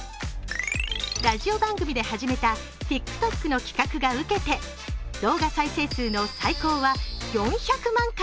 ラジオ番組で始めたＴｉｋＴｏｋの企画がウケて動画再生数の最高は４００万回。